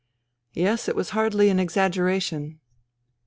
Yes, it was hardly an exaggera tion.